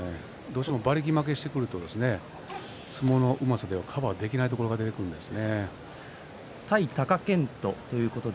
馬力負けしてくると相撲のうまさではカバーできないところが出てきます。